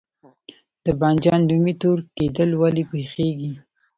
د بانجان رومي تور کیدل ولې پیښیږي؟